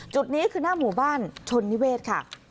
จุดนี้คือหน้าหมู่บ้านชนนิเวศค่ะ